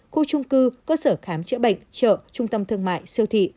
khu trung cư cơ sở khám chữa bệnh chợ trung tâm thương mại siêu thị